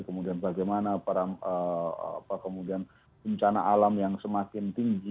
kemudian bagaimana kemudian bencana alam yang semakin tinggi